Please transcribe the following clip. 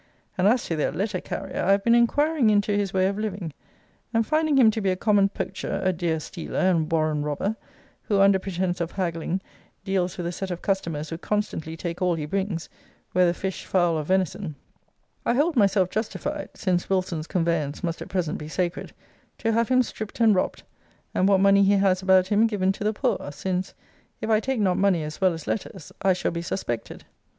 And as to their letter carrier, I have been inquiring into his way of living; and finding him to be a common poacher, a deer stealer, and warren robber, who, under pretence of haggling, deals with a set of customers who constantly take all he brings, whether fish, fowl, or venison, I hold myself justified (since Wilson's conveyance must at present be sacred) to have him stripped and robbed, and what money he has about him given to the poor; since, if I take not money as well as letters, I shall be suspected.